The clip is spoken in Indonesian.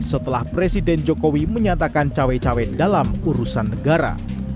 setelah presiden jokowi menyatakan cawe cawe dalam urusan negara